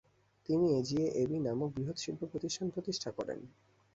তিনি AGA AB নামক বৃহঃ শিল্প প্রতিষ্ঠান প্রতিষ্ঠা করেন।